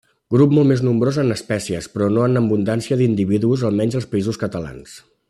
Grup molt més nombrós en espècies, però no en abundància d'individus, almenys als Països Catalans.